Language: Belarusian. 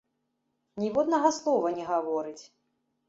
Ніводнага слова не гаворыць.